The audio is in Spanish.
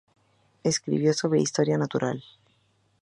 Escribió sobre historia natural.